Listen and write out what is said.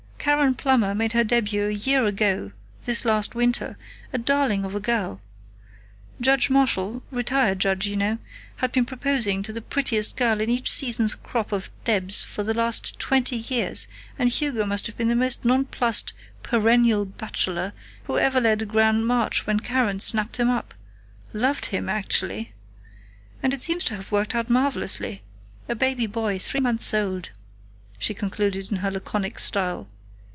"Karen Plummer made her debut a year ago this last winter a darling of a girl. Judge Marshall retired judge, you know had been proposing to the prettiest girl in each season's crop of debs for the last twenty years, and Hugo must have been the most nonplussed 'perennial bachelor' who ever led a grand march when Karen snapped him up.... Loved him actually! And it seems to have worked out marvelously.... A baby boy three months old," she concluded in her laconic style.